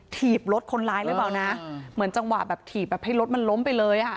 ถีบรถคนร้ายหรือเปล่านะเหมือนจังหวะแบบถีบแบบให้รถมันล้มไปเลยอ่ะ